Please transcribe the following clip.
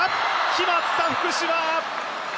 決まった、福島！